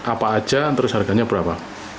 apa aja terus harganya berapa